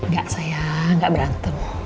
gak sayang gak berantem